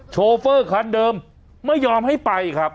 โชเฟอร์คันเดิมไม่ยอมให้ไปครับ